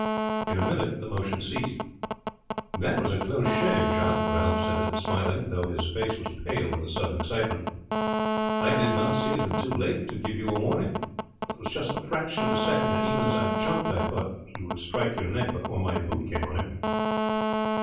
In a minute the motion ceased. "That was a close shave, Jacques," Ralph said smiling, though his face was pale with the sudden excitement. "I did not see it until too late to give you warning. It was just the fraction of a second, and even as I jumped I thought he would strike your neck before my boot came on him."